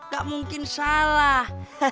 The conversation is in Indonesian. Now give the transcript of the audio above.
gak mungkin salah